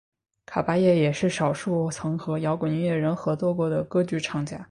卡芭叶也是少数曾和摇滚音乐人合作过的歌剧唱家。